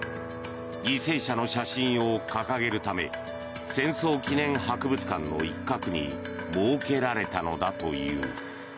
犠牲者の写真を掲げるため戦争記念博物館の一角に設けられたのだという。